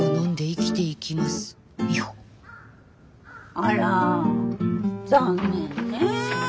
あら残念ね。